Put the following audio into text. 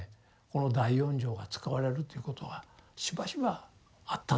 この第四条が使われるということがしばしばあったんですね。